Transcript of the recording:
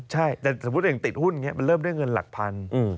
ใช่แต่สมมุติอย่างติดหุ้นอย่างนี้มันเริ่มด้วยเงินหลักพัน